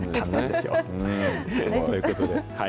ということで。